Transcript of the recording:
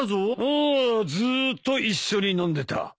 ああずっと一緒に飲んでた。